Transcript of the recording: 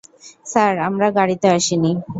Sir, আমরা গাড়িতে আসিনি।